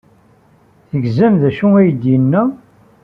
Tegzam d acu ay d-yenna?